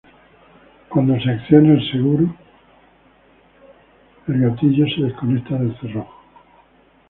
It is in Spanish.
Cuando el seguro es accionado, el gatillo se desconecta del cerrojo.